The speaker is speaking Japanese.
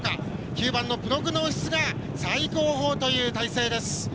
９番のプログノーシスが最後方という体制です。